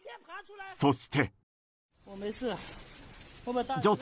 そして。